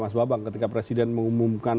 mas babang ketika presiden mengumumkan